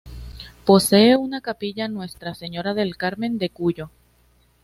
Posee una capilla, Nuestra Señora del Carmen de Cuyo.